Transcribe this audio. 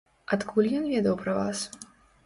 Адкуль ён ведаў пра вас?